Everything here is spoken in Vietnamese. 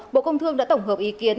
bộ công thương đã tổng hợp ý kiến